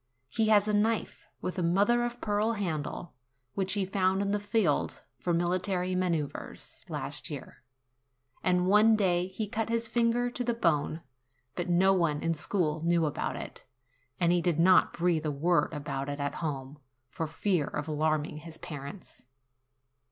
He has a knife, with a mother of pearl handle, which he found in the field for military manoeuvres, last year, and one day he cut his finger to the bone ; but no one in school knew about it, and he did not breathe a word about it at home, for fear of alarming his parents.